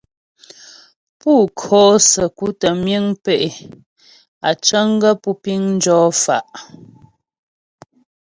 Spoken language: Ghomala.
Pú ko'o səku tə́ miŋ pé' á cəŋ gaə́ pú piŋ jɔ fa'.